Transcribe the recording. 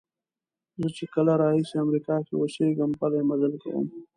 زه چې کله راهیسې امریکا کې اوسېږم پلی مزل کوم.